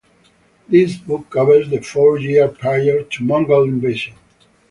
This book covers the four years prior to Mongol invasion.